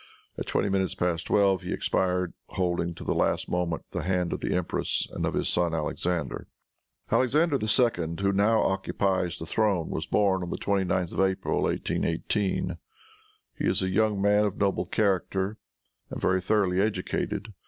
At twenty minutes past twelve he expired, holding, till the last moment, the hand of the empress and of his son Alexander. Alexander II., who now occupies the throne, was born the 29th of April, 1818. He is a young man of noble character and very thoroughly educated.